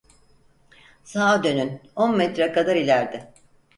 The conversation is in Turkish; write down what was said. Sağa dönün, on metre kadar ilerde.